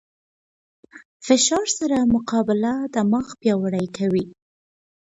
فشار سره مقابله دماغ پیاوړی کوي.